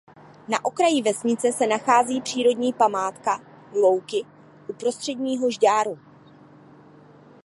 Na okraji vesnice se nachází přírodní památka Louky u Prostředního Žďáru.